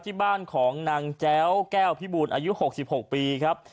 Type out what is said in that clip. ที่บ้านของนางแจ๊วแก้วพี่บูนอายุหกสิบหกปีครับ